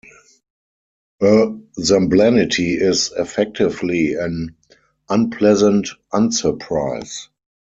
A zemblanity is, effectively, an "unpleasant unsurprise".